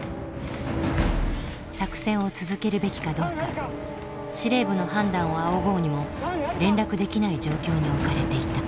作戦を続けるべきかどうか司令部の判断を仰ごうにも連絡できない状況に置かれていた。